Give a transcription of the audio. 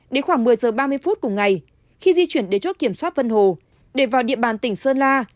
đến khoảng một mươi giờ ba mươi phút cùng ngày khi di chuyển đến chốt kiểm soát vân hồ để vào địa bàn tỉnh sơn la